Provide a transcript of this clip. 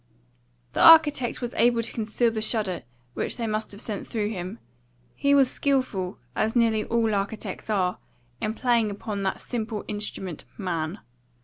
The architect was able to conceal the shudder which they must have sent through him. He was skilful, as nearly all architects are, in playing upon that simple instrument Man.